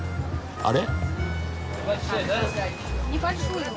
あれ？